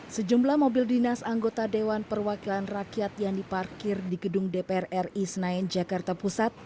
sejumlah mobil dinas anggota dewan perwakilan rakyat yang diparkir di gedung dpr ri senayan jakarta pusat